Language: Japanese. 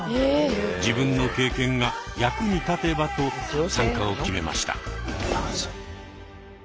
自分の経験が役に立てばと参加を決めました。